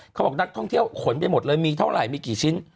เขาบอกนักท่องเที่ยวขนไปหมดเลยมีเท่าไหร่มีกี่ชิ้น